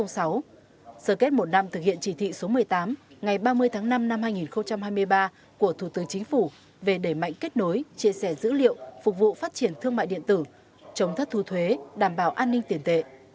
sơ kết một năm thực hiện chỉ thị số một mươi tám ngày ba mươi tháng năm năm hai nghìn hai mươi ba của thủ tướng chính phủ về đẩy mạnh kết nối chia sẻ dữ liệu phục vụ phát triển thương mại điện tử chống thất thu thuế đảm bảo an ninh tiền tệ